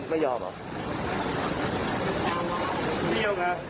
ใครบ้าย